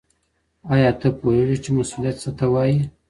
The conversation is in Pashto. آیا ته پوهېږې چې مسؤلیت څه ته وايي؟